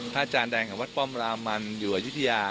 อาจารย์แดงของวัดป้อมรามันอยู่อายุทยา